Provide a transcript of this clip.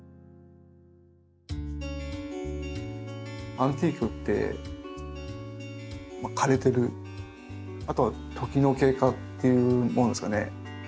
アンティークって枯れてるあとは時の経過っていうものですかね古いもの。